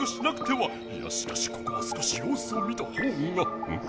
いやしかしここは少しようすを見たほうがん？